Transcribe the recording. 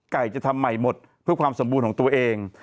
จะทำใหม่หมดเพื่อความสมบูรณ์ของตัวเอง